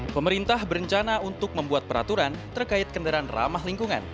pemerintah berencana untuk membuat peraturan terkait kendaraan ramah lingkungan